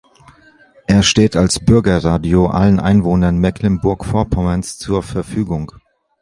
Er steht als Bürgerradio allen Einwohnern Mecklenburg-Vorpommerns zur Verfügung.